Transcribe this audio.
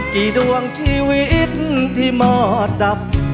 ดวงชีวิตที่หมอดับ